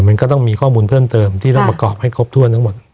มันก็ต้องมีข้อมูลเพิ่มเติมที่ต้องประกอบให้ครบถ้วนทั้งหมด